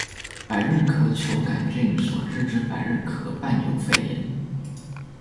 百日咳球桿菌所致之百日咳伴有肺炎